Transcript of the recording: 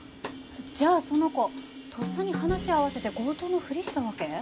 じゃあその子とっさに話合わせて強盗のふりしたわけ？